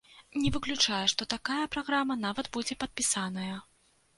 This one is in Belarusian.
Не выключаю, што такая праграма нават будзе падпісаная.